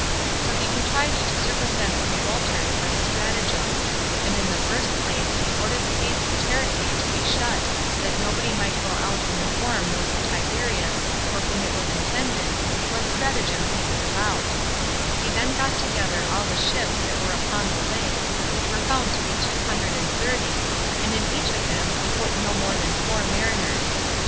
So he contrived to circumvent the revolters by a stratagem; and in the first place he ordered the gates of Taricheae to be shut, that nobody might go out and inform [those of Tiberias], for whom it was intended, what stratagem he was about; he then got together all the ships that were upon the lake, which were found to be two hundred and thirty, and in each of them he put no more than four mariners.